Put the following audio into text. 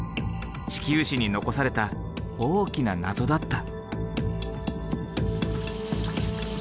地球史に残された大きな謎だった。